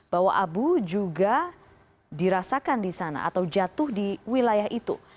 bahwa abu juga dirasakan di sana atau jatuh di wilayah itu